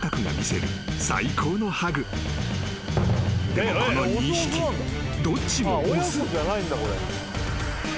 ［でもこの２匹どっちも雄］